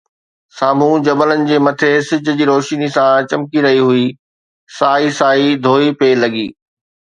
سامهون جبلن جي مٽي سج جي روشنيءَ سان چمڪي رهي هئي، سائي سائي ڌوئي پئي لڳي